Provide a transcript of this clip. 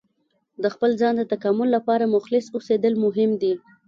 د خپل ځان د تکامل لپاره مخلص اوسیدل مهم دي.